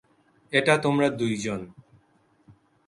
এটা তোমরা দুইজন।